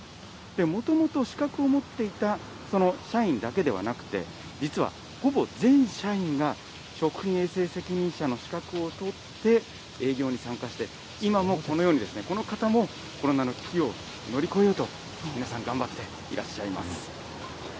もともと資格を持っていたその社員だけではなくて、実はほぼ全社員が、食品衛生責任者の資格を取って、営業に参加して、今もこのように、この方もコロナの危機を乗り越えようと、皆さん頑張っていらっしゃいます。